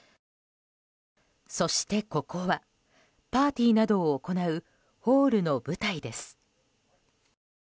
そして、ここはパーティーなどを行うホールの舞台です。